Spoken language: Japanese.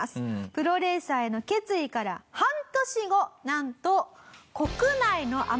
プロレーサーへの決意から半年後なんと。